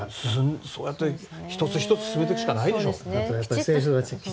そうやって１つ１つ進めていくしかないでしょ。